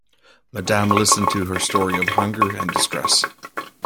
Madame listened to her story of hunger and distress.